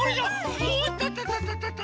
おっとととととと。